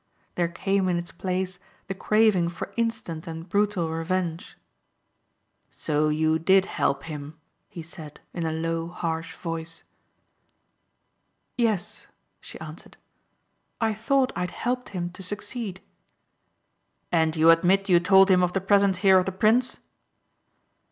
There came in its place the craving for instant and brutal revenge. "So you did help him?" he said in a low harsh voice. "Yes," she answered. "I thought I had helped him to succeed." "And you admit you told him of the presence here of the prince?"